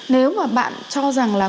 nếu mà bạn cho rằng là